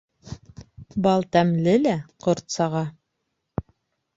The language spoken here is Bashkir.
Бал тәмле лә ҡорт саға.